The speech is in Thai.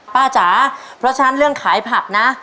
จ๋าเพราะฉะนั้นเรื่องขายผักนะ